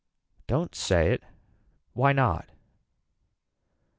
Don't say it. Why not.